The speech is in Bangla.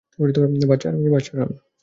বাচ্চা আর আমি?